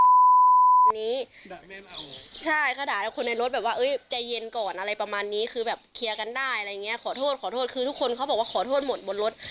อันนี้ด่าแม่เมาใช่เขาด่าแล้วคนในรถแบบว่าเอ้ยใจเย็นก่อนอะไรประมาณนี้คือแบบเคลียร์กันได้อะไรอย่างเงี้ยขอโทษขอโทษคือทุกคนเขาบอกว่าขอโทษหมดบนรถ